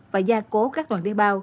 và gia cố các đoàn đê bao